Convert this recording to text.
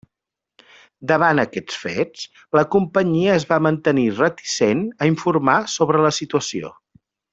Davant aquests fets, la companyia es va mantenir reticent a informar sobre la situació.